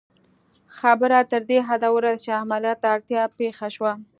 خبره تر دې حده ورسېده چې عملیات ته اړتیا پېښه شوه